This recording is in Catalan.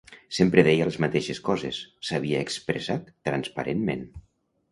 Sempre deia les mateixes coses, s’havia expressat transparentment.